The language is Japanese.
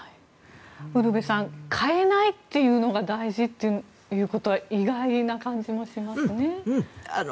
ウルヴェさん変えないというのが大事ということは意外な感じもしますね。